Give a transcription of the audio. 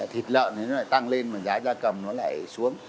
thịt lợn nó lại tăng lên mà giá da cầm nó lại xuống